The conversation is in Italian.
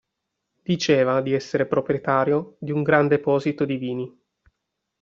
Diceva di essere proprietario d'un gran deposito di vini.